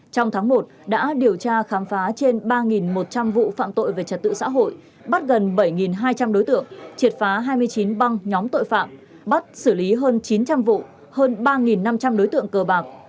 trong tháng một đã điều tra khám phá trên ba một trăm linh vụ phạm tội về trật tự xã hội bắt gần bảy hai trăm linh đối tượng triệt phá hai mươi chín băng nhóm tội phạm bắt xử lý hơn chín trăm linh vụ hơn ba năm trăm linh đối tượng cờ bạc